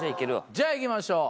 じゃあいきましょう。